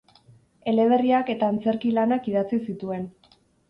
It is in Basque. Eleberriak eta antzerki-lanak idatzi zituen.